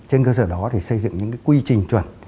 trên cơ sở đó thì xây dựng những quy trình chuẩn